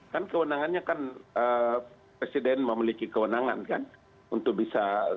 kan kewenangannya kan presiden memiliki kewenangan kan untuk bisa kalau besok tidak ada aral melintang insya allah akan terjadi